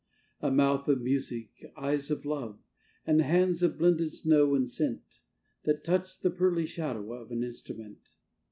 A mouth of music; eyes of love; And hands of blended snow and scent, That touch the pearly shadow of An instrument.